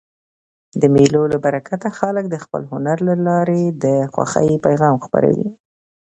د مېلو له برکته خلک د خپل هنر له لاري د خوښۍ پیغام خپروي.